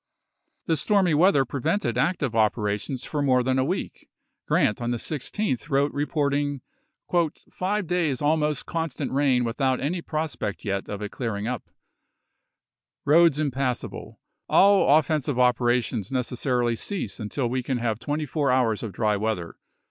The stormy weather prevented active operalfions for more than a week. Grant on the 16th wrote reporting " five days almost constant rain without any prospect yet of it clearing up "; roads impass able ; "all offensive operations necessarily cease un til we can have twenty four hours of dry weather."